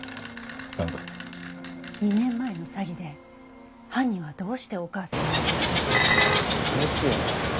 なんだ？２年前の詐欺で犯人はどうしてお母様を狙ったの？ですよね。